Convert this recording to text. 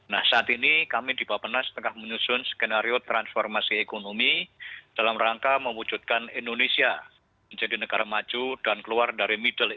nah saat ini kami di papenas tengah menyusun skenario transformasi ekonomi dalam rangka mewujudkan indonesia menjadi negara maju dan keluarga yang lebih baik